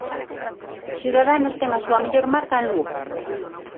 Ciudadanos ten a súa mellor marca en Lugo.